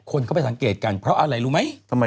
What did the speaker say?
คนเข้าไปสังเกตกันเพราะอะไรรู้ไหม